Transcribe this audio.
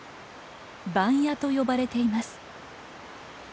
番屋と呼ばれています。